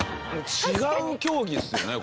違う競技ですよねこれ。